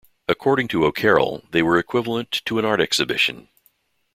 According to O'Carroll, they were equivalent to an art exhibition.